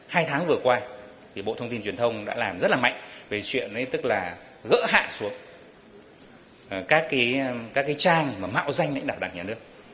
hai tháng vừa qua thì bộ thông tin truyền thông đã làm rất là mạnh về chuyện tức là gỡ hạ xuống các cái trang mà mạo danh lãnh đạo đảng nhà nước